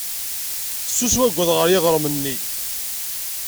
Fessus wawwaḍ ɣer yiɣrem-nni.